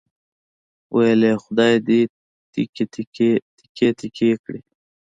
ویل یې خدای دې تیکې تیکې کړي.